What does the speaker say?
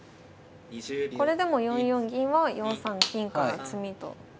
これでも４四銀は４三金から詰みと。